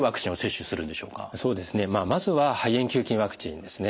そうですねまずは肺炎球菌ワクチンですね。